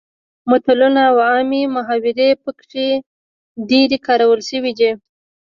متلونه او عامې محاورې پکې ډیر کارول شوي دي